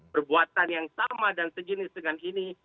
perbuatan yang sama dan sejenis dengan ini